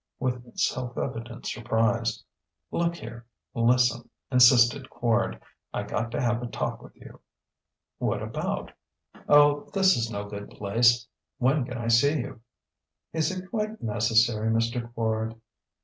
with self evident surprise. "Look here lis'n!" insisted Quard: "I got to have a talk with you." "What about?" "Oh, this is no good place. When can I see you?" "Is it quite necessary, Mister Quard?"